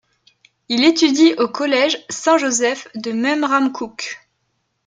Il étudie au Collège Saint-Joseph de Memramcook.